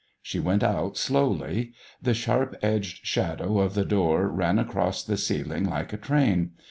She went out slowly. The sharp edged shadow of the door ran across the ceiling like a train.